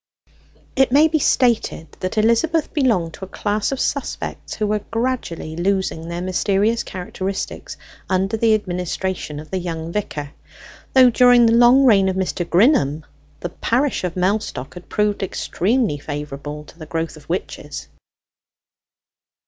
It may be stated that Elizabeth belonged to a class of suspects who were gradually losing their mysterious characteristics under the administration of the young vicar; though, during the long reign of Mr. Grinham, the parish of Mellstock had proved extremely favourable to the growth of witches.